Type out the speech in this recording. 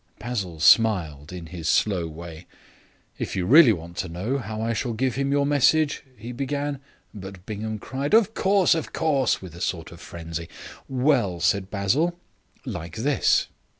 Basil smiled in his slow way. "If you really want to know how I shall give him your message," he began, but Bingham cried: "Of course, of course," with a sort of frenzy. "Well," said Basil, "like this."